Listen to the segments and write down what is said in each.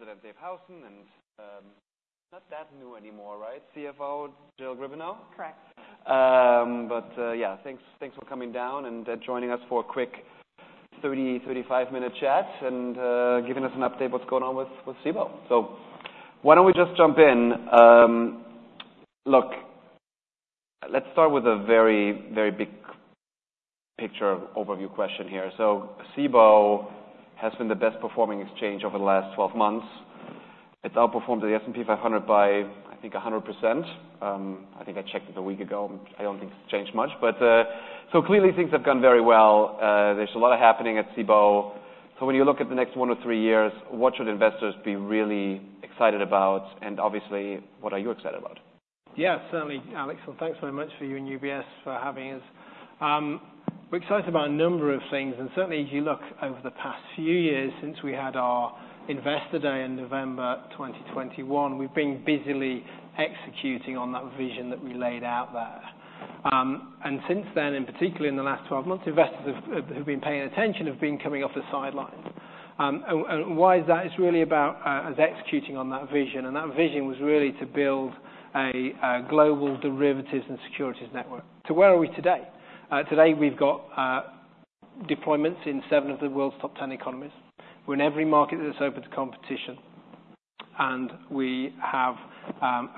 With President Dave Howson and, not that new anymore, right? CFO Jill Griebenow? Correct. But, yeah. Thanks for coming down and joining us for a quick 30-35-minute chat and giving us an update, what's going on with Cboe. So why don't we just jump in? Look, let's start with a very, very big picture overview question here. So Cboe has been the best-performing exchange over the last 12 months. It's outperformed the S&P 500 by, I think, 100%. I think I checked it a week ago. I don't think it's changed much. But, so clearly things have gone very well. There's a lot happening at Cboe. So when you look at the next one or three years, what should investors be really excited about? And obviously, what are you excited about? Yeah, certainly, Alex. Well, thanks very much for you and UBS for having us. We're excited about a number of things. Certainly, as you look over the past few years since we had our investor day in November 2021, we've been busily executing on that vision that we laid out there. Since then, and particularly in the last 12 months, investors who've been paying attention have been coming off the sidelines. Why is that? It's really about us executing on that vision. That vision was really to build a global derivatives and securities network. To where are we today? Today, we've got deployments in 7 of the world's top 10 economies. We're in every market that's open to competition. We have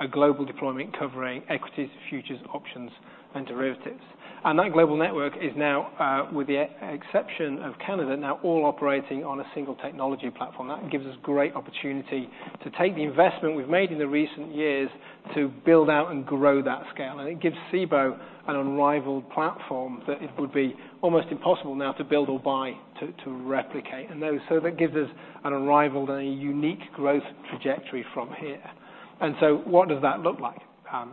a global deployment covering equities, futures, options, and derivatives. That global network is now, with the exception of Canada, now all operating on a single technology platform. That gives us great opportunity to take the investment we've made in the recent years to build out and grow that scale. It gives Cboe an unrivaled platform that it would be almost impossible now to build or buy to replicate. That gives us an unrivaled and a unique growth trajectory from here. What does that look like?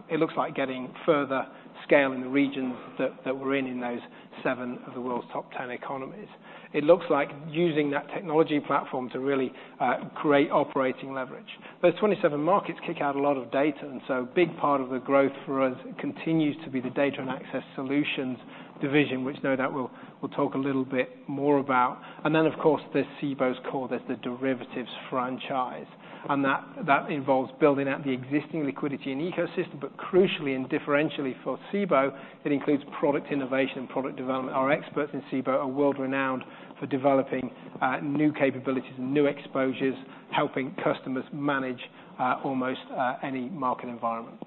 It looks like getting further scale in the regions that we're in in those seven of the world's top 10 economies. It looks like using that technology platform to really create operating leverage. Those 27 markets kick out a lot of data. And so a big part of the growth for us continues to be the Data and Access Solutions division, which, no, that we'll talk a little bit more about. And then, of course, there's Cboe's core. There's the derivatives franchise. And that involves building out the existing liquidity and ecosystem. But crucially and differentially for Cboe, it includes product innovation and product development. Our experts in Cboe are world-renowned for developing new capabilities and new exposures, helping customers manage almost any market environment.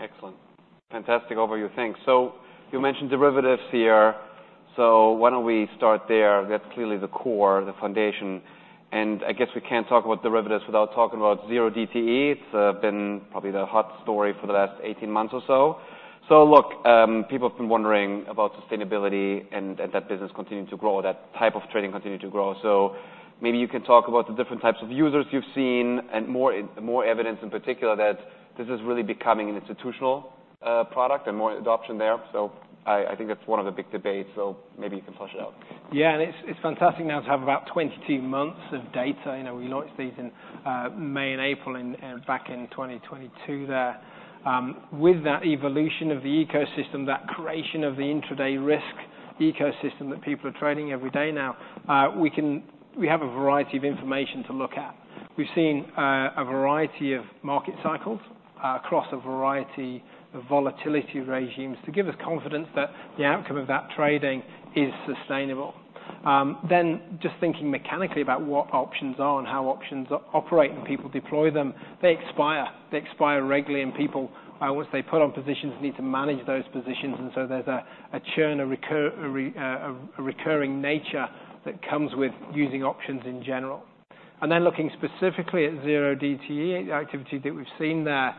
Excellent. Fantastic overview. Thanks. So you mentioned derivatives here. So why don't we start there? That's clearly the core, the foundation. And I guess we can't talk about derivatives without talking about 0DTE. It's been probably the hot story for the last 18 months or so. So look, people have been wondering about sustainability and that business continuing to grow, that type of trading continuing to grow. So maybe you can talk about the different types of users you've seen and more evidence in particular that this is really becoming an institutional product and more adoption there. So I think that's one of the big debates. So maybe you can flush it out. Yeah. And it's fantastic now to have about 22 months of data. We launched these in May and April back in 2022 there. With that evolution of the ecosystem, that creation of the intraday risk ecosystem that people are trading every day now, we have a variety of information to look at. We've seen a variety of market cycles across a variety of volatility regimes to give us confidence that the outcome of that trading is sustainable. Then just thinking mechanically about what options are and how options operate and people deploy them, they expire. They expire regularly. And people, once they put on positions, need to manage those positions. And so there's a churn, a recurring nature that comes with using options in general. And then looking specifically at 0DTE, the activity that we've seen there,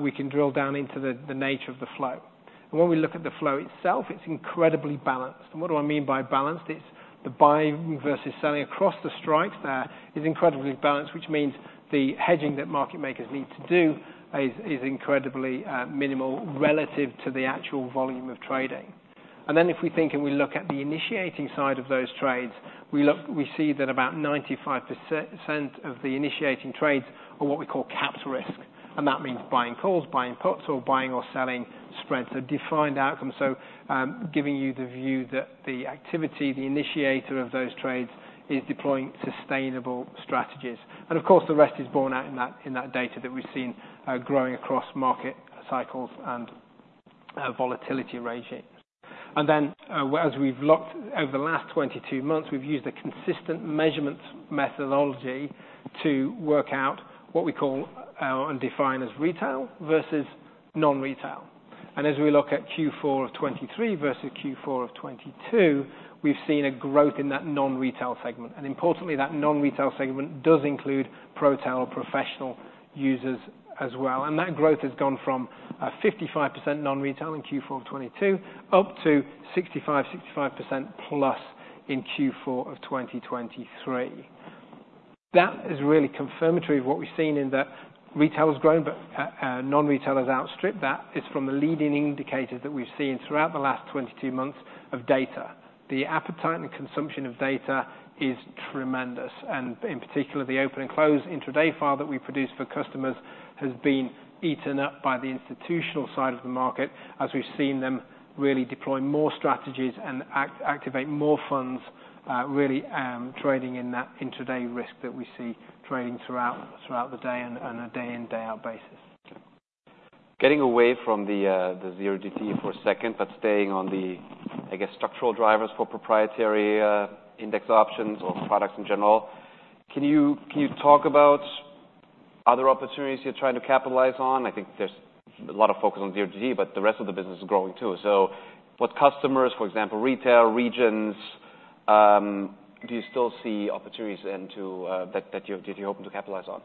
we can drill down into the nature of the flow. When we look at the flow itself, it's incredibly balanced. What do I mean by balanced? It's the buying versus selling across the strikes there is incredibly balanced, which means the hedging that market makers need to do is incredibly minimal relative to the actual volume of trading. Then if we think and we look at the initiating side of those trades, we see that about 95% of the initiating trades are what we call capped risk. That means buying calls, buying puts, or buying or selling spreads. Defined outcomes. Giving you the view that the activity, the initiator of those trades, is deploying sustainable strategies. Of course, the rest is borne out in that data that we've seen growing across market cycles and volatility regimes. Then as we've looked over the last 22 months, we've used a consistent measurement methodology to work out what we call and define as retail versus non-retail. As we look at Q4 of 2023 versus Q4 of 2022, we've seen a growth in that non-retail segment. Importantly, that non-retail segment does include Pro-tail or professional users as well. That growth has gone from 55% non-retail in Q4 of 2022 up to 65, 65%+ in Q4 of 2023. That is really confirmatory of what we've seen in that retail has grown, but non-retail has outstripped. That is from the leading indicators that we've seen throughout the last 22 months of data. The appetite and consumption of data is tremendous. In particular, the open and close intraday file that we produce for customers has been eaten up by the institutional side of the market as we've seen them really deploy more strategies and activate more funds, really trading in that intraday risk that we see trading throughout the day on a day-in, day-out basis. Getting away from the 0DTE for a second but staying on the, I guess, structural drivers for proprietary index options or products in general, can you talk about other opportunities you're trying to capitalize on? I think there's a lot of focus on 0DTE, but the rest of the business is growing too. So what customers, for example, retail regions, do you still see opportunities into that you're hoping to capitalize on?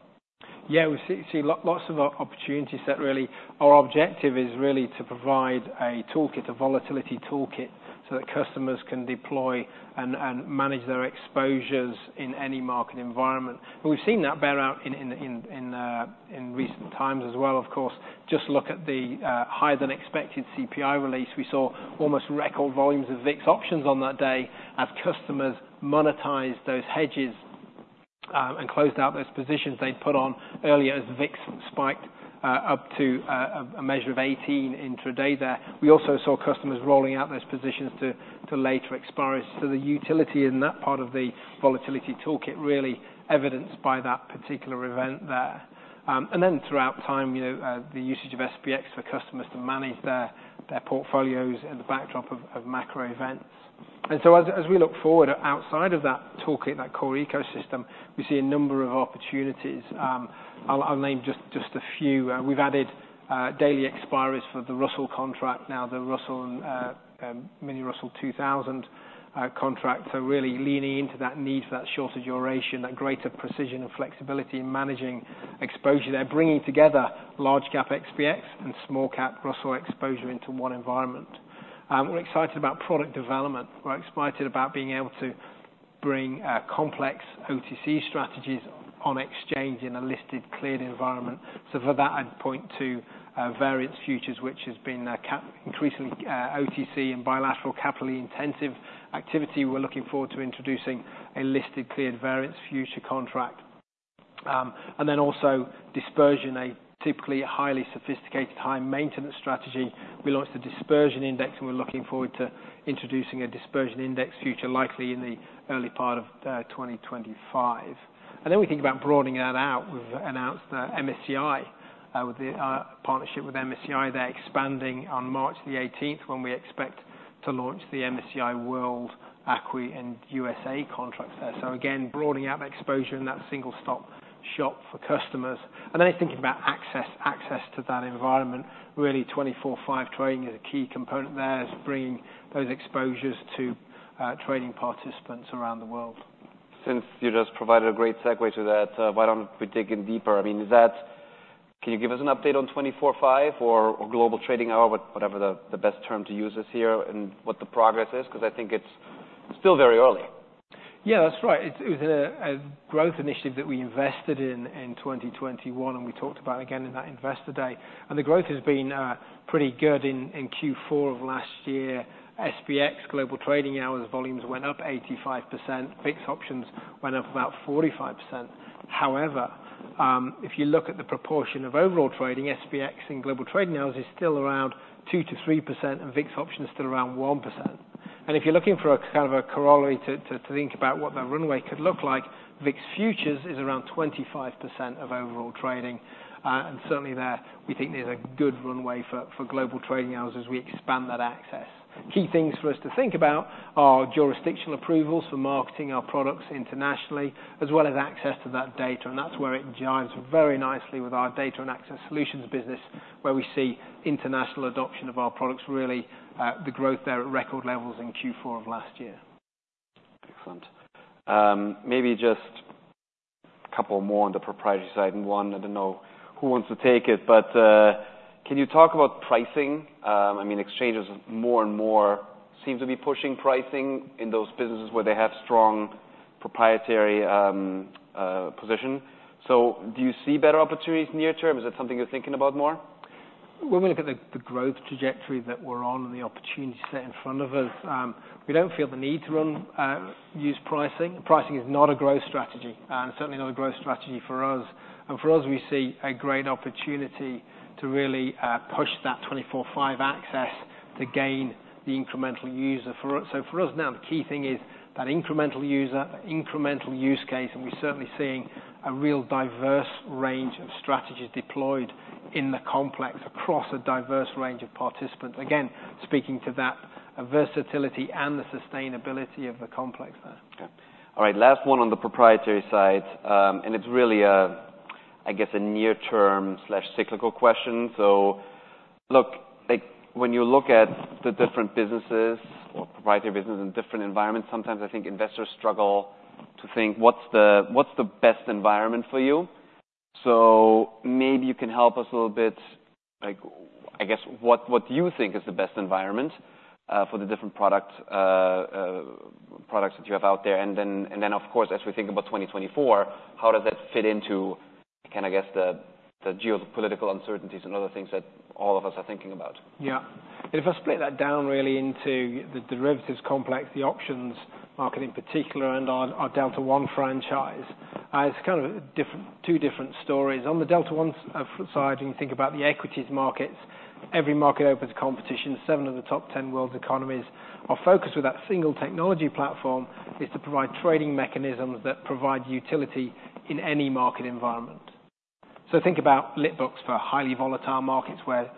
Yeah. We see lots of opportunities that really our objective is really to provide a toolkit, a volatility toolkit, so that customers can deploy and manage their exposures in any market environment. And we've seen that bear out in recent times as well. Of course, just look at the higher-than-expected CPI release. We saw almost record volumes of VIX options on that day as customers monetized those hedges and closed out those positions they'd put on earlier as VIX spiked up to a measure of 18 intraday there. We also saw customers rolling out those positions to later expiry. So the utility in that part of the volatility toolkit really evidenced by that particular event there. And then throughout time, the usage of SPX for customers to manage their portfolios in the backdrop of macro events. So as we look forward outside of that toolkit, that core ecosystem, we see a number of opportunities. I'll name just a few. We've added daily expiry for the Russell contract, now the Russell and Mini-Russell 2000 contract. So really leaning into that need for that short duration, that greater precision and flexibility in managing exposure there, bringing together large-cap SPX and small-cap Russell exposure into one environment. We're excited about product development. We're excited about being able to bring complex OTC strategies on exchange in a listed cleared environment. So for that, I'd point to Variance Futures, which has been increasingly OTC and bilateral capital intensive activity. We're looking forward to introducing a listed cleared Variance Futures contract. And then also Dispersion, a typically highly sophisticated, high-maintenance strategy. We launched a dispersion index, and we're looking forward to introducing a dispersion index future likely in the early part of 2025. Then we think about broadening that out. We've announced MSCI, our partnership with MSCI, they're expanding on March 18th when we expect to launch the MSCI World, ACWI, and USA contracts there. Again, broadening out exposure in that single-stop shop for customers. Then it's thinking about access to that environment. Really, 24/5 trading is a key component there, bringing those exposures to trading participants around the world. Since you just provided a great segue to that, why don't we dig in deeper? I mean, can you give us an update on 24/5 or global trading hour, whatever the best term to use is here, and what the progress is? Because I think it's still very early. Yeah, that's right. It was a growth initiative that we invested in in 2021, and we talked about again in that investor day. The growth has been pretty good in Q4 of last year. SPX, Global Trading Hours, volumes went up 85%. VIX options went up about 45%. However, if you look at the proportion of overall trading, SPX in Global Trading Hours is still around 2%-3%, and VIX options still around 1%. If you're looking for kind of a corollary to think about what that runway could look like, VIX futures is around 25% of overall trading. Certainly there, we think there's a good runway for Global Trading Hours as we expand that access. Key things for us to think about are jurisdictional approvals for marketing our products internationally, as well as access to that data. That's where it jibes very nicely with our Data and Access Solutions business, where we see international adoption of our products, really the growth there at record levels in Q4 of last year. Excellent. Maybe just a couple more on the proprietary side. And one, I don't know who wants to take it, but can you talk about pricing? I mean, exchanges more and more seem to be pushing pricing in those businesses where they have strong proprietary position. So do you see better opportunities near term? Is that something you're thinking about more? When we look at the growth trajectory that we're on and the opportunity set in front of us, we don't feel the need to use pricing. Pricing is not a growth strategy, certainly not a growth strategy for us. For us, we see a great opportunity to really push that 24/5 access to gain the incremental user. For us now, the key thing is that incremental user, incremental use case. We're certainly seeing a real diverse range of strategies deployed in the complex across a diverse range of participants, again speaking to that versatility and the sustainability of the complex there. Okay. All right. Last one on the proprietary side. It's really, I guess, a near-term/cyclical question. So look, when you look at the different businesses or proprietary businesses in different environments, sometimes I think investors struggle to think, "What's the best environment for you?" So maybe you can help us a little bit, I guess, what you think is the best environment for the different products that you have out there. And then, of course, as we think about 2024, how does that fit into kind of, I guess, the geopolitical uncertainties and other things that all of us are thinking about? Yeah. And if I split that down really into the derivatives complex, the options market in particular, and our Delta One franchise, it's kind of two different stories. On the Delta One side, when you think about the equities markets, every market opens competition. Seven of the top 10 world economies are focused with that single technology platform is to provide trading mechanisms that provide utility in any market environment. So think about lit books for highly volatile markets where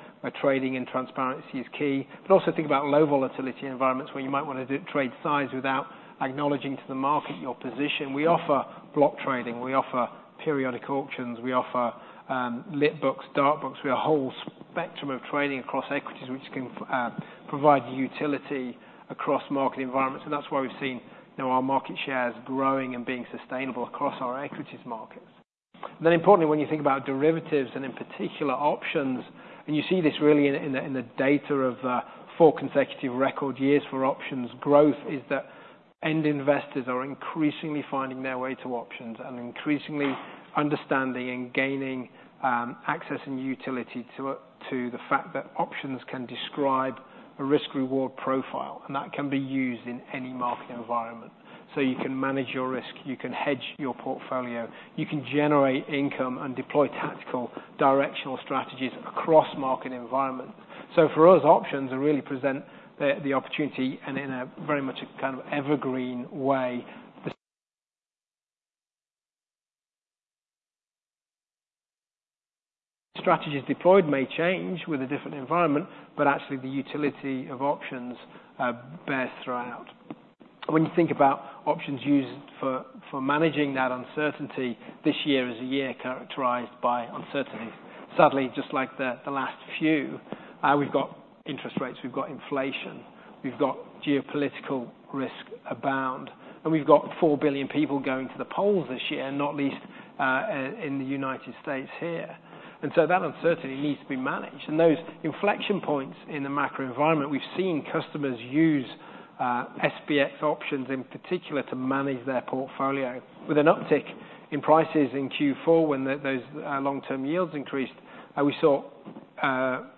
trading and transparency is key. But also think about low volatility environments where you might want to trade size without acknowledging to the market your position. We offer block trading. We offer periodic auctions. We offer lit books, dark books. We have a whole spectrum of trading across equities, which can provide utility across market environments. And that's why we've seen our market shares growing and being sustainable across our equities markets. Then importantly, when you think about derivatives and in particular options, and you see this really in the data of four consecutive record years for options growth, is that end investors are increasingly finding their way to options and increasingly understanding and gaining access and utility to the fact that options can describe a risk-reward profile. And that can be used in any market environment. So you can manage your risk. You can hedge your portfolio. You can generate income and deploy tactical directional strategies across market environments. So for us, options really present the opportunity in very much a kind of evergreen way. Strategies deployed may change with a different environment, but actually, the utility of options bears throughout. When you think about options used for managing that uncertainty, this year is a year characterized by uncertainty. Sadly, just like the last few, we've got interest rates. We've got inflation. We've got geopolitical risk abound. And we've got 4 billion people going to the polls this year, not least in the United States here. And so that uncertainty needs to be managed. And those inflection points in the macro environment, we've seen customers use SPX options in particular to manage their portfolio. With an uptick in prices in Q4 when those long-term yields increased, we saw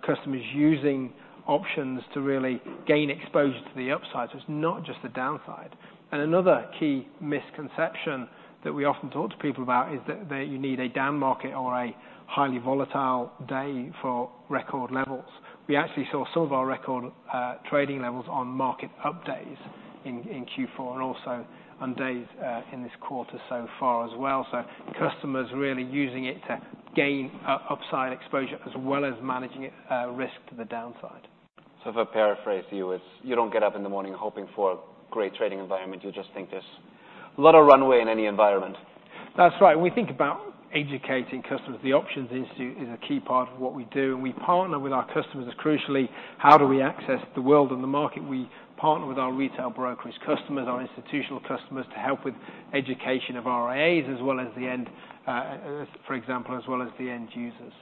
customers using options to really gain exposure to the upside. So it's not just the downside. And another key misconception that we often talk to people about is that you need a down market or a highly volatile day for record levels. We actually saw some of our record trading levels on market updays in Q4 and also on days in this quarter so far as well. So customers really using it to gain upside exposure as well as managing risk to the downside. So if I paraphrase you, it's you don't get up in the morning hoping for a great trading environment. You just think there's a lot of runway in any environment. That's right. We think about educating customers. The Options Institute is a key part of what we do. We partner with our customers as crucially, how do we access the world and the market? We partner with our retail brokers' customers, our institutional customers, to help with education of our RIAs, for example, as well as the end users.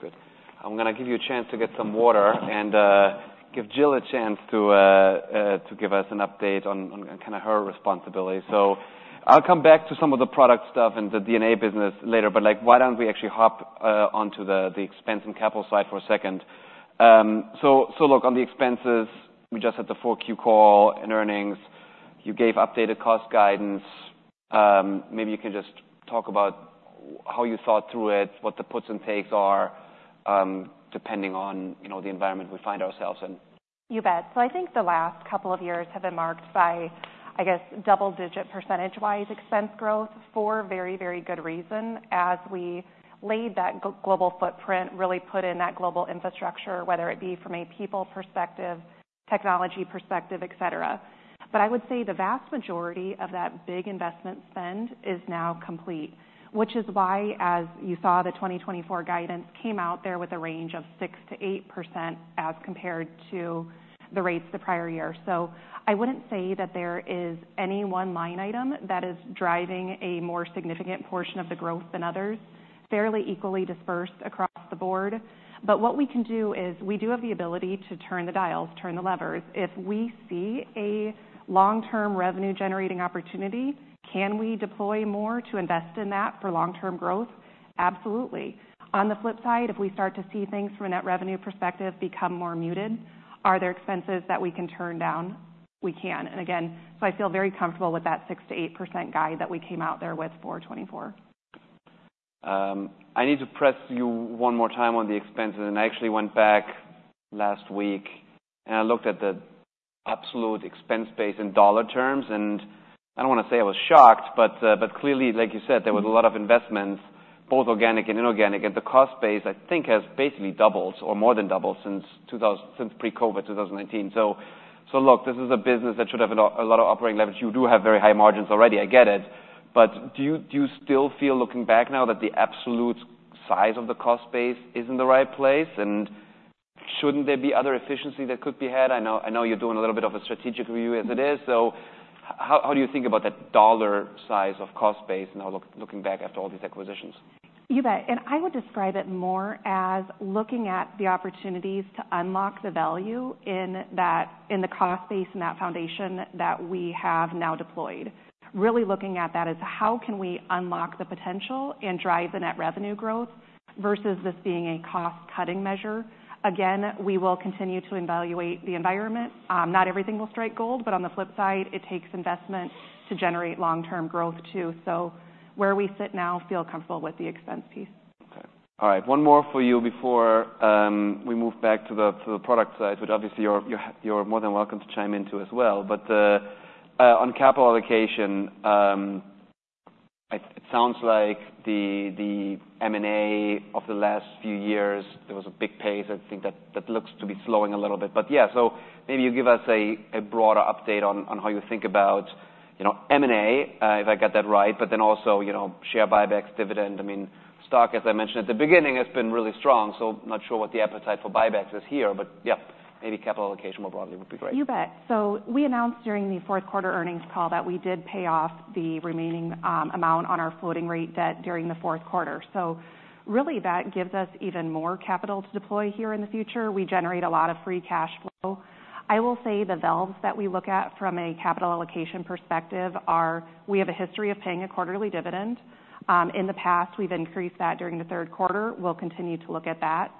Good. I'm going to give you a chance to get some water and give Jill a chance to give us an update on kind of her responsibility. So I'll come back to some of the product stuff and the D&A business later. But why don't we actually hop onto the expense and capital side for a second? So look, on the expenses, we just had the 4Q call and earnings. You gave updated cost guidance. Maybe you can just talk about how you thought through it, what the puts and takes are depending on the environment we find ourselves in. You bet. So I think the last couple of years have been marked by, I guess, double-digit percentage-wise expense growth for very, very good reason as we laid that global footprint, really put in that global infrastructure, whether it be from a people perspective, technology perspective, etc. But I would say the vast majority of that big investment spend is now complete, which is why, as you saw, the 2024 guidance came out there with a range of 6%-8% as compared to the rates the prior year. So I wouldn't say that there is any one line item that is driving a more significant portion of the growth than others, fairly equally dispersed across the board. But what we can do is we do have the ability to turn the dials, turn the levers. If we see a long-term revenue-generating opportunity, can we deploy more to invest in that for long-term growth? Absolutely. On the flip side, if we start to see things from a net revenue perspective become more muted, are there expenses that we can turn down? We can. And again, so I feel very comfortable with that 6%-8% guide that we came out there with for 2024. I need to press you one more time on the expenses. I actually went back last week, and I looked at the absolute expense base in dollar terms. I don't want to say I was shocked, but clearly, like you said, there was a lot of investments, both organic and inorganic. The cost base, I think, has basically doubled or more than doubled since pre-COVID, 2019. Look, this is a business that should have a lot of operating leverage. You do have very high margins already. I get it. But do you still feel, looking back now, that the absolute size of the cost base is in the right place? Shouldn't there be other efficiency that could be had? I know you're doing a little bit of a strategic review as it is. How do you think about that dollar size of cost base now, looking back after all these acquisitions? You bet. I would describe it more as looking at the opportunities to unlock the value in the cost base and that foundation that we have now deployed, really looking at that as how can we unlock the potential and drive the net revenue growth versus this being a cost-cutting measure? Again, we will continue to evaluate the environment. Not everything will strike gold. But on the flip side, it takes investment to generate long-term growth too. So where we sit now, feel comfortable with the expense piece. Okay. All right. One more for you before we move back to the product side, which obviously, you're more than welcome to chime into as well. But on capital allocation, it sounds like the M&A of the last few years, there was a big pace. I think that looks to be slowing a little bit. But yeah, so maybe you give us a broader update on how you think about M&A, if I got that right, but then also share buybacks, dividend. I mean, stock, as I mentioned at the beginning, has been really strong. So not sure what the appetite for buybacks is here. But yeah, maybe capital allocation more broadly would be great. You bet. So we announced during the fourth quarter earnings call that we did pay off the remaining amount on our floating-rate debt during the fourth quarter. So really, that gives us even more capital to deploy here in the future. We generate a lot of free cash flow. I will say the avenues that we look at from a capital allocation perspective are we have a history of paying a quarterly dividend. In the past, we've increased that during the third quarter. We'll continue to look at that.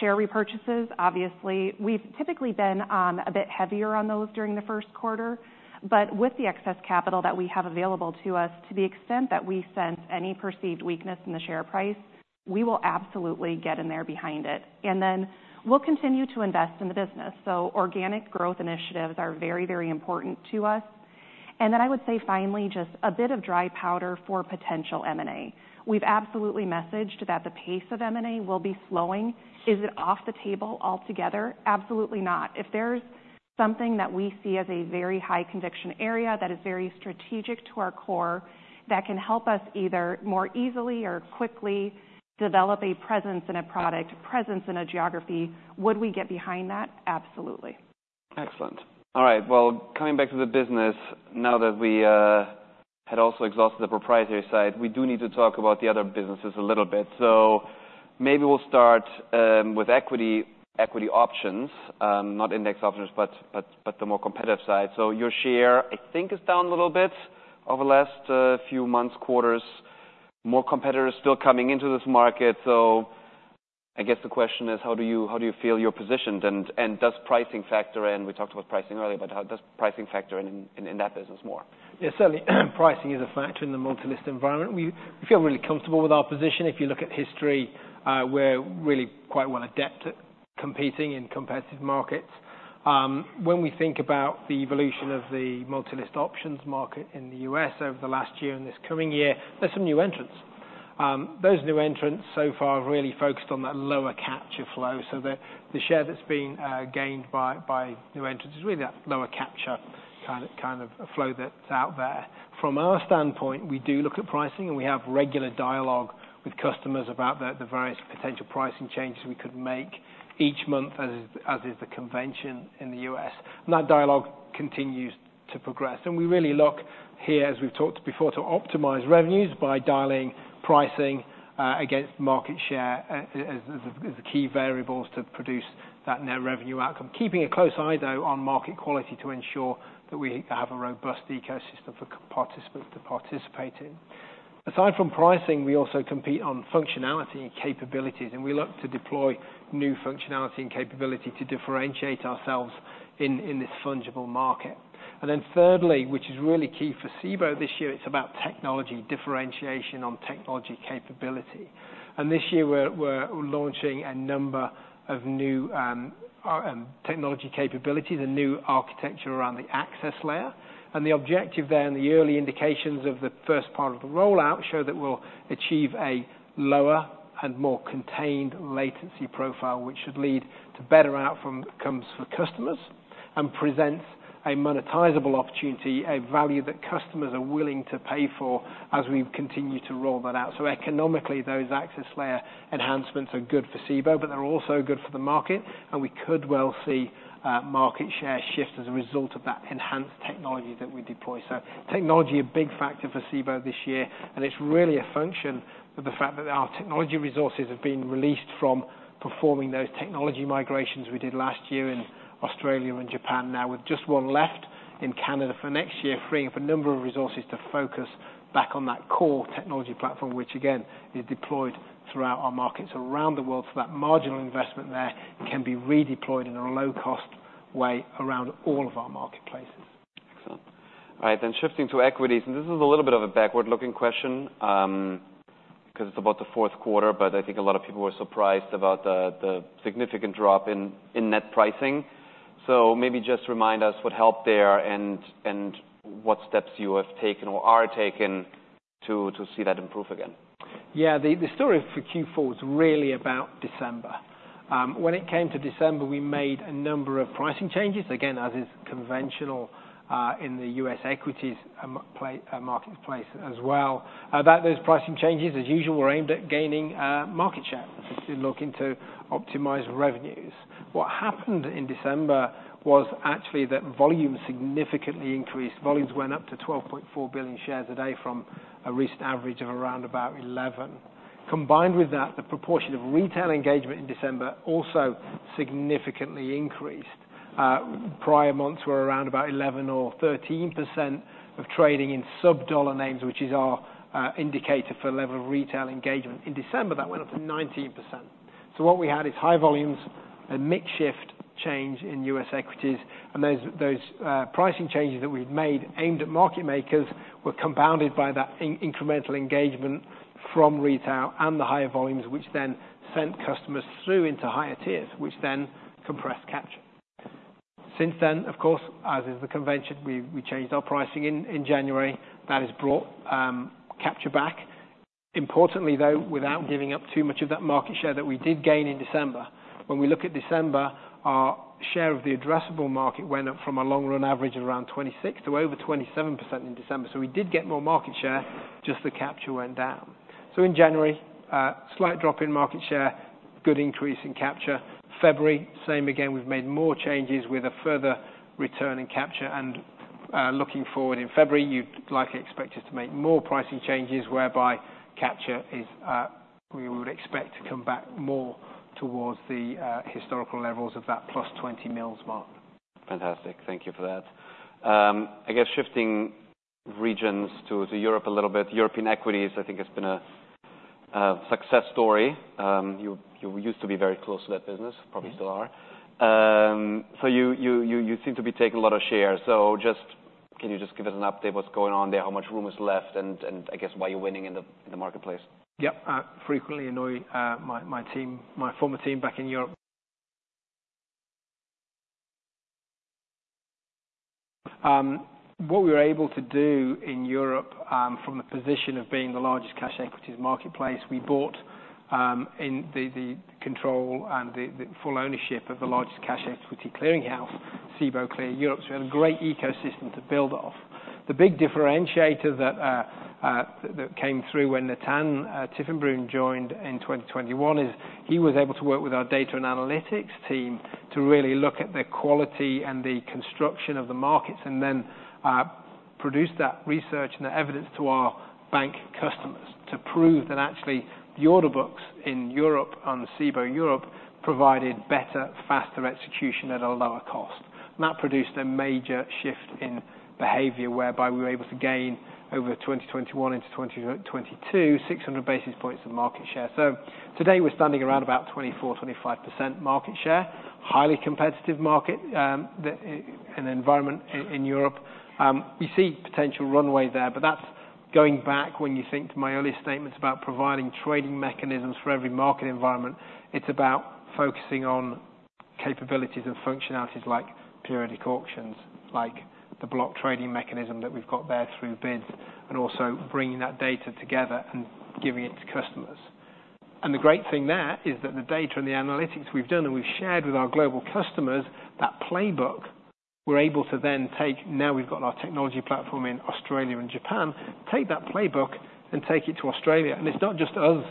Share repurchases, obviously, we've typically been a bit heavier on those during the first quarter. But with the excess capital that we have available to us, to the extent that we sense any perceived weakness in the share price, we will absolutely get in there behind it. And then we'll continue to invest in the business. So organic growth initiatives are very, very important to us. And then I would say finally, just a bit of dry powder for potential M&A. We've absolutely messaged that the pace of M&A will be slowing. Is it off the table altogether? Absolutely not. If there's something that we see as a very high conviction area that is very strategic to our core that can help us either more easily or quickly develop a presence in a product, presence in a geography, would we get behind that? Absolutely. Excellent. All right. Well, coming back to the business, now that we had also exhausted the proprietary side, we do need to talk about the other businesses a little bit. So maybe we'll start with equity, equity options, not index options, but the more competitive side. So your share, I think, is down a little bit over the last few months, quarters. More competitors still coming into this market. So I guess the question is, how do you feel you're positioned? And does pricing factor in? We talked about pricing earlier, but does pricing factor in that business more? Yeah, certainly. Pricing is a factor in the multi-listed environment. We feel really comfortable with our position. If you look at history, we're really quite well adept at competing in competitive markets. When we think about the evolution of the multi-listed options market in the U.S. over the last year and this coming year, there's some new entrants. Those new entrants so far have really focused on that lower capture flow. So the share that's been gained by new entrants is really that lower capture kind of flow that's out there. From our standpoint, we do look at pricing. And we have regular dialogue with customers about the various potential pricing changes we could make each month, as is the convention in the U.S. And that dialogue continues to progress. We really look here, as we've talked before, to optimize revenues by dialing pricing against market share as the key variables to produce that net revenue outcome, keeping a close eye, though, on market quality to ensure that we have a robust ecosystem for participants to participate in. Aside from pricing, we also compete on functionality and capabilities. We look to deploy new functionality and capability to differentiate ourselves in this fungible market. Then thirdly, which is really key for Cboe this year, it's about technology, differentiation on technology capability. This year, we're launching a number of new technology capabilities, a new architecture around the access layer. The objective there and the early indications of the first part of the rollout show that we'll achieve a lower and more contained latency profile, which should lead to better outcomes for customers and presents a monetizable opportunity, a value that customers are willing to pay for as we continue to roll that out. So economically, those access layer enhancements are good for Cboe. But they're also good for the market. And we could well see market share shift as a result of that enhanced technology that we deploy. So technology is a big factor for Cboe this year. It's really a function of the fact that our technology resources have been released from performing those technology migrations we did last year in Australia and Japan, now with just one left in Canada for next year, freeing up a number of resources to focus back on that core technology platform, which, again, is deployed throughout our markets around the world. That marginal investment there can be redeployed in a low-cost way around all of our marketplaces. Excellent. All right. Then shifting to equities. And this is a little bit of a backward-looking question because it's about the fourth quarter. But I think a lot of people were surprised about the significant drop in net pricing. So maybe just remind us what helped there and what steps you have taken or are taking to see that improve again. Yeah. The story for Q4 was really about December. When it came to December, we made a number of pricing changes, again, as is conventional in the U.S. equities marketplace as well. Those pricing changes, as usual, were aimed at gaining market share to look into optimize revenues. What happened in December was actually that volume significantly increased. Volumes went up to 12.4 billion shares a day from a recent average of around about 11. Combined with that, the proportion of retail engagement in December also significantly increased. Prior months were around about 11% or 13% of trading in sub-dollar names, which is our indicator for level of retail engagement. In December, that went up to 19%. So what we had is high volumes, a mixed-shift change in U.S. equities. Those pricing changes that we'd made aimed at market makers were compounded by that incremental engagement from retail and the higher volumes, which then sent customers through into higher tiers, which then compressed capture. Since then, of course, as is the convention, we changed our pricing in January. That has brought capture back. Importantly, though, without giving up too much of that market share that we did gain in December, when we look at December, our share of the addressable market went up from a long-run average of around 26% to over 27% in December. So we did get more market share. Just the capture went down. So in January, slight drop in market share, good increase in capture. February, same again. We've made more changes with a further return in capture. Looking forward in February, you'd likely expect us to make more pricing changes whereby capture is we would expect to come back more towards the historical levels of that +20 millions mark. Fantastic. Thank you for that. I guess shifting regions to Europe a little bit, European equities, I think, has been a success story. You used to be very close to that business, probably still are. So you seem to be taking a lot of share. So can you just give us an update what's going on there, how much room is left, and I guess why you're winning in the marketplace? Yeah. Frequently annoy my former team back in Europe. What we were able to do in Europe from the position of being the largest cash equities marketplace, we bought the control and the full ownership of the largest cash equity clearinghouse, Cboe Clear Europe. So we had a great ecosystem to build off. The big differentiator that came through when Natan Tiefenbrun joined in 2021 is he was able to work with our data and analytics team to really look at the quality and the construction of the markets and then produce that research and the evidence to our bank customers to prove that actually the order books in Europe on Cboe Europe provided better, faster execution at a lower cost. And that produced a major shift in behavior whereby we were able to gain over 2021 into 2022, 600 basis points of market share. So today, we're standing around 24%-25% market share, highly competitive market and environment in Europe. We see potential runway there. But that's going back when you think to my earlier statements about providing trading mechanisms for every market environment. It's about focusing on capabilities and functionalities like periodic auctions, like the block trading mechanism that we've got there through BIDS, and also bringing that data together and giving it to customers. And the great thing there is that the data and the analytics we've done and we've shared with our global customers, that playbook, we're able to then take now we've got our technology platform in Australia and Japan, take that playbook and take it to Australia. And it's not just us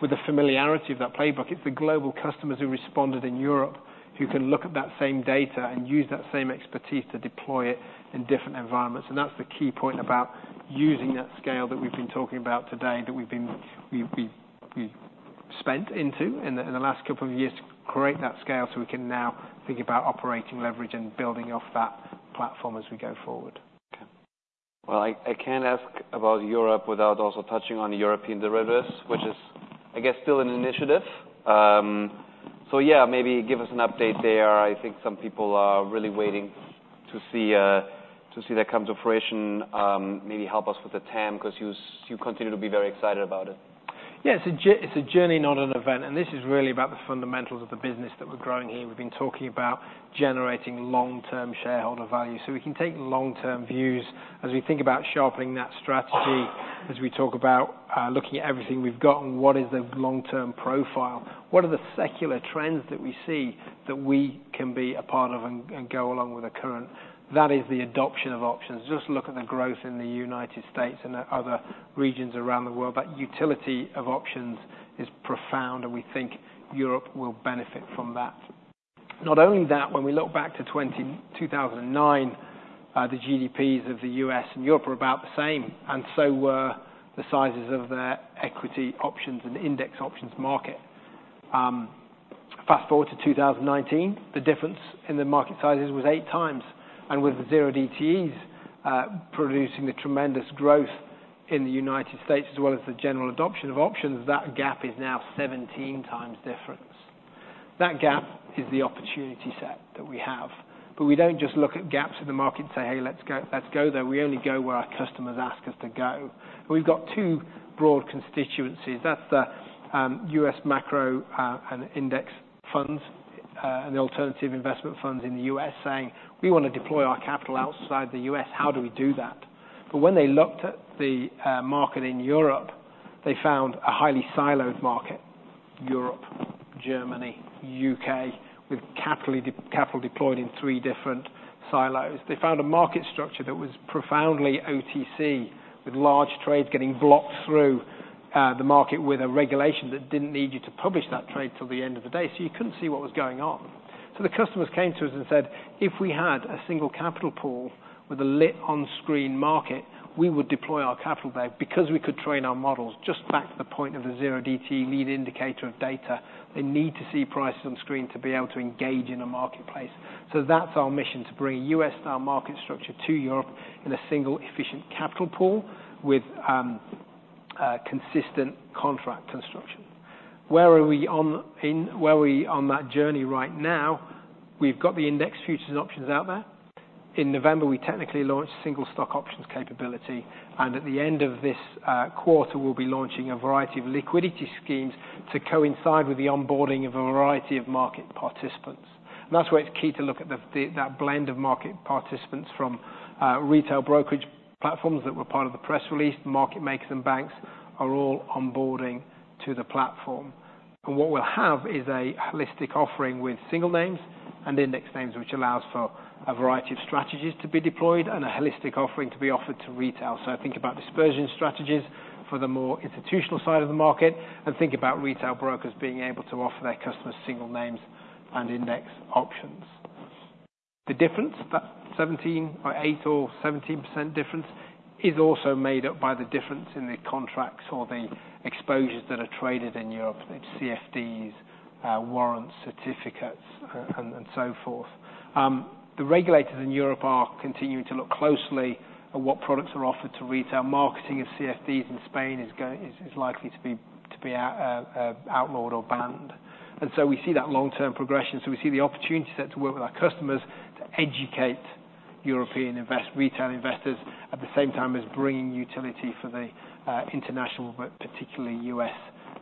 with the familiarity of that playbook. It's the global customers who responded in Europe who can look at that same data and use that same expertise to deploy it in different environments. That's the key point about using that scale that we've been talking about today, that we've spent into in the last couple of years to create that scale so we can now think about operating leverage and building off that platform as we go forward. Okay. Well, I can't ask about Europe without also touching on European derivatives, which is, I guess, still an initiative. So yeah, maybe give us an update there. I think some people are really waiting to see that come to fruition. Maybe help us with the TAM because you continue to be very excited about it. Yeah. It's a journey, not an event. This is really about the fundamentals of the business that we're growing here. We've been talking about generating long-term shareholder value. We can take long-term views as we think about sharpening that strategy, as we talk about looking at everything we've got and what is the long-term profile, what are the secular trends that we see that we can be a part of and go along with the current. That is the adoption of options. Just look at the growth in the United States and other regions around the world. That utility of options is profound. We think Europe will benefit from that. Not only that, when we look back to 2009, the GDPs of the U.S. and Europe were about the same. So were the sizes of their equity options and index options market. Fast forward to 2019, the difference in the market sizes was 8x. With the 0DTEs producing the tremendous growth in the United States as well as the general adoption of options, that gap is now 17 times different. That gap is the opportunity set that we have. We don't just look at gaps in the market and say, "Hey, let's go." We only go where our customers ask us to go. We've got two broad constituencies. That's the U.S.. macro and index funds and the alternative investment funds in the US saying, "We want to deploy our capital outside the US. How do we do that?" When they looked at the market in Europe, they found a highly siloed market, Europe, Germany, U.K., with capital deployed in three different silos. They found a market structure that was profoundly OTC, with large trades getting blocked through the market with a regulation that didn't need you to publish that trade till the end of the day. So you couldn't see what was going on. So the customers came to us and said, "If we had a single capital pool with a lit-on-screen market, we would deploy our capital there because we could train our models just back to the point of the 0DTE lead indicator of data. They need to see prices on screen to be able to engage in a marketplace." So that's our mission, to bring a U.S.-style market structure to Europe in a single efficient capital pool with consistent contract construction. Where are we on that journey right now? We've got the index futures and options out there. In November, we technically launched single stock options capability. At the end of this quarter, we'll be launching a variety of liquidity schemes to coincide with the onboarding of a variety of market participants. That's where it's key to look at that blend of market participants from retail brokerage platforms that were part of the press release. Market makers and banks are all onboarding to the platform. What we'll have is a holistic offering with single names and index names, which allows for a variety of strategies to be deployed and a holistic offering to be offered to retail. Think about dispersion strategies for the more institutional side of the market and think about retail brokers being able to offer their customers single names and index options. The difference, that 17% or 8% or 17% difference, is also made up by the difference in the contracts or the exposures that are traded in Europe. It's CFDs, warrants, certificates, and so forth. The regulators in Europe are continuing to look closely at what products are offered to retail. Marketing of CFDs in Spain is likely to be outlawed or banned. And so we see that long-term progression. So we see the opportunity set to work with our customers to educate European retail investors at the same time as bringing utility for the international, but particularly U.S.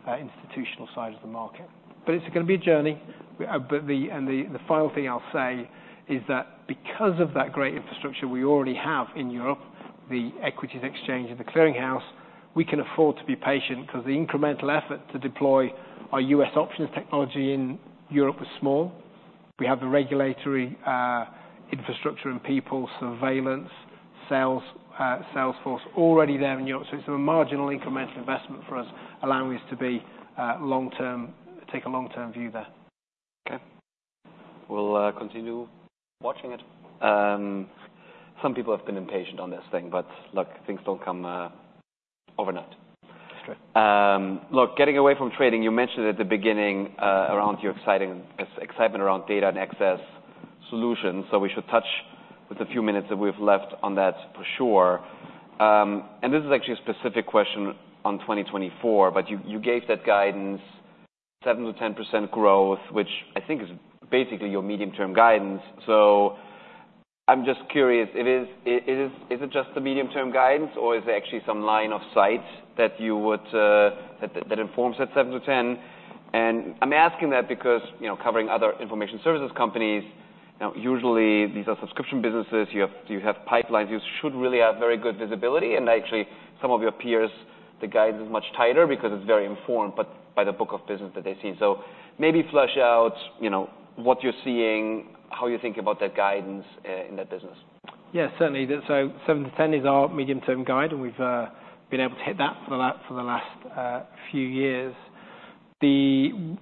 institutional side of the market. But it's going to be a journey. The final thing I'll say is that because of that great infrastructure we already have in Europe, the equities exchange and the clearinghouse, we can afford to be patient because the incremental effort to deploy our U.S. options technology in Europe was small. We have the regulatory infrastructure and people, surveillance, sales force already there in Europe. It's a marginal incremental investment for us, allowing us to take a long-term view there. Okay. We'll continue watching it. Some people have been impatient on this thing. But look, things don't come overnight. Look, getting away from trading, you mentioned at the beginning around your excitement around Data and Access Solutions. So we should touch with the few minutes that we've left on that for sure. And this is actually a specific question on 2024. But you gave that guidance, 7%-10% growth, which I think is basically your medium-term guidance. So I'm just curious, is it just the medium-term guidance, or is there actually some line of sight that informs that 7%-10%? And I'm asking that because covering other information services companies, usually, these are subscription businesses. You have pipelines. You should really have very good visibility. Actually, some of your peers, the guidance is much tighter because it's very informed by the book of business that they've seen. Maybe flush out what you're seeing, how you think about that guidance in that business. Yeah. Certainly. 7%-10% is our medium-term guide. We've been able to hit that for the last few years. The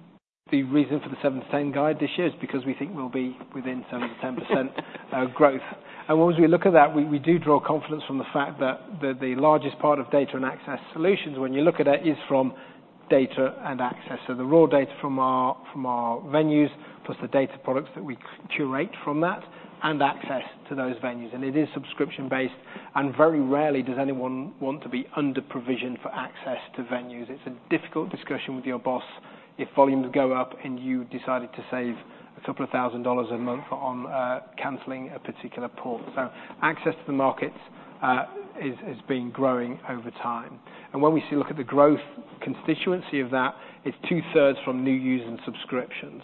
reason for the 7%-10% guide this year is because we think we'll be within 7%-10% growth. Once we look at that, we do draw confidence from the fact that the largest part of Data and Access Solutions, when you look at it, is from data and access. The raw data from our venues plus the data products that we curate from that and access to those venues. It is subscription-based. Very rarely does anyone want to be under provision for access to venues. It's a difficult discussion with your boss if volumes go up and you decided to save a couple thousand dollars a month on canceling a particular port. So access to the markets has been growing over time. And when we look at the growth constituency of that, it's 2/3 from new use and subscriptions,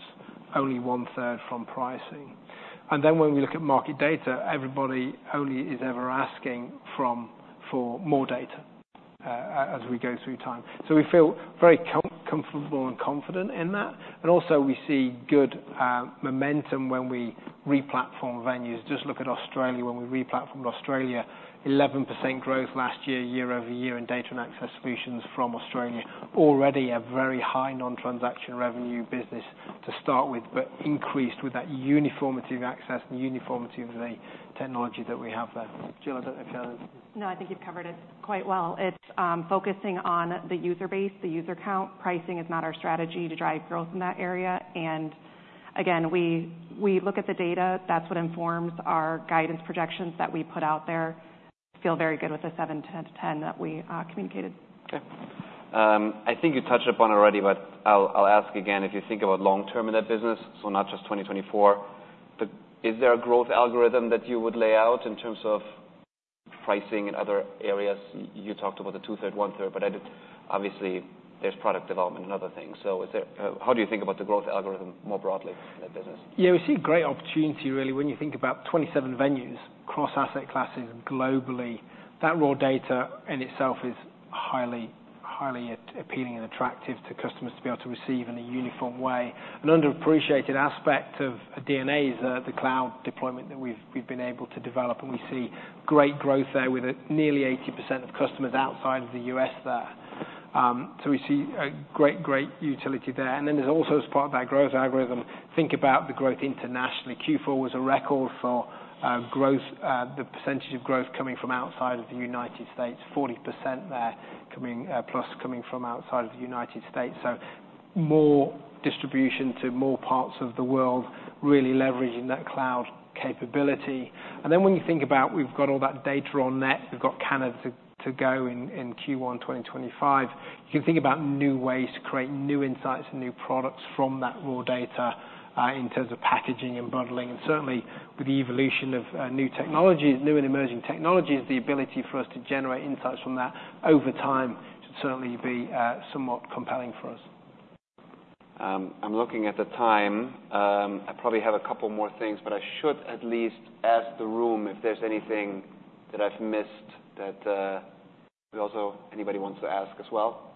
only 1/3 from pricing. And then when we look at market data, everybody only is ever asking for more data as we go through time. So we feel very comfortable and confident in that. And also, we see good momentum when we replatform venues. Just look at Australia. When we replatformed Australia, 11% growth last year, year-over-year, in Data and Access Solutions from Australia. Already a very high non-transaction revenue business to start with, but increased with that uniformity of access and uniformity of the technology that we have there. Jill, I don't know if you have anything. No, I think you've covered it quite well. It's focusing on the user base, the user count. Pricing is not our strategy to drive growth in that area. And again, we look at the data. That's what informs our guidance projections that we put out there. Feel very good with the 7%-10% that we communicated. Okay. I think you touched upon it already. But I'll ask again, if you think about long-term in that business, so not just 2024, is there a growth algorithm that you would lay out in terms of pricing and other areas? You talked about the 2/3, 1/3 But obviously, there's product development and other things. So how do you think about the growth algorithm more broadly in that business? Yeah. We see great opportunity, really, when you think about 27 venues, cross asset classes globally. That raw data in itself is highly appealing and attractive to customers to be able to receive in a uniform way. An underappreciated aspect of D&A is the cloud deployment that we've been able to develop. And we see great growth there with nearly 80% of customers outside of the U.S. there. So we see great, great utility there. And then there's also, as part of that growth algorithm, think about the growth internationally. Q4 was a record for the percentage of growth coming from outside of the United States, 40% there, plus coming from outside of the United States. So more distribution to more parts of the world, really leveraging that cloud capability. And then when you think about we've got all that data on net. We've got Canada to go in Q1 2025. You can think about new ways to create new insights and new products from that raw data in terms of packaging and bundling. Certainly, with the evolution of new technologies, new and emerging technologies, the ability for us to generate insights from that over time should certainly be somewhat compelling for us. I'm looking at the time. I probably have a couple more things. But I should at least ask the room if there's anything that I've missed that anybody wants to ask as well.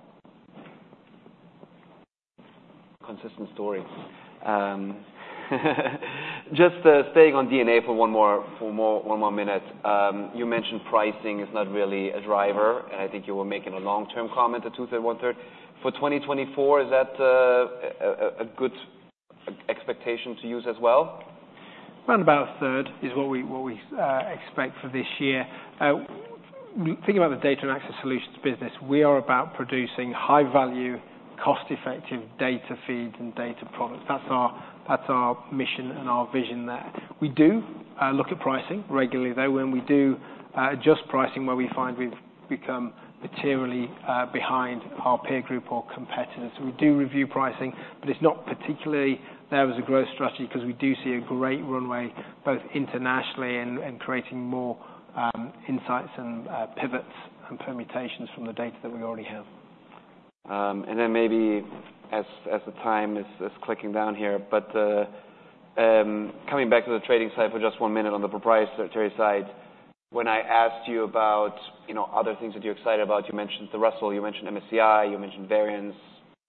Consistent story. Just staying on D&A for one more minute. You mentioned pricing is not really a driver. And I think you were making a long-term comment, a 2/3, 1/3 For 2024, is that a good expectation to use as well? Around about 1/3 is what we expect for this year. Thinking about the Data and Access Solutions business, we are about producing high-value, cost-effective data feeds and data products. That's our mission and our vision there. We do look at pricing regularly, though. When we do adjust pricing, where we find we've become materially behind our peer group or competitors. We do review pricing. But it's not particularly there as a growth strategy because we do see a great runway both internationally and creating more insights and pivots and permutations from the data that we already have. And then maybe as the time is clicking down here, but coming back to the trading side for just one minute on the proprietary side, when I asked you about other things that you're excited about, you mentioned the Russell. You mentioned MSCI. You mentioned variance.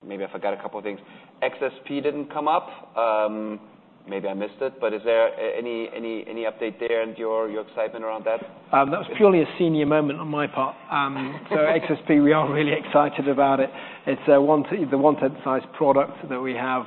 Maybe I forgot a couple of things. XSP didn't come up. Maybe I missed it. But is there any update there and your excitement around that? That was purely a senior moment on my part. So XSP, we are really excited about it. It's the one-third size product that we have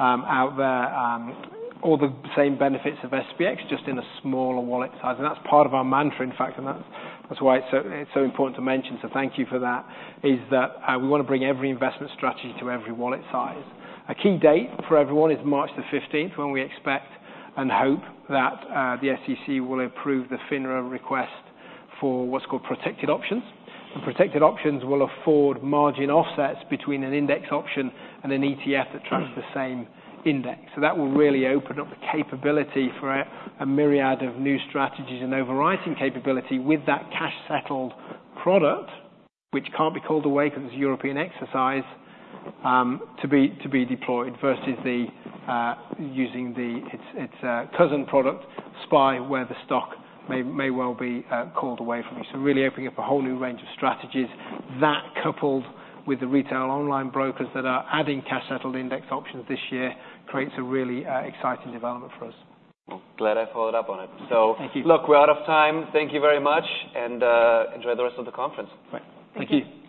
out there, all the same benefits of SPX, just in a smaller wallet size. And that's part of our mantra, in fact. And that's why it's so important to mention. So thank you for that, is that we want to bring every investment strategy to every wallet size. A key date for everyone is March 15th when we expect and hope that the SEC will approve the FINRA request for what's called protected options. And protected options will afford margin offsets between an index option and an ETF that tracks the same index. So that will really open up the capability for a myriad of new strategies and overwriting capability with that cash-settled product, which can't be called away because it's a European exercise, to be deployed versus using its cousin product, SPY, where the stock may well be called away from you. So really opening up a whole new range of strategies. That coupled with the retail online brokers that are adding cash-settled index options this year creates a really exciting development for us. Glad I followed up on it. Thank you. Look, we're out of time. Thank you very much. Enjoy the rest of the conference. Right. Thank you.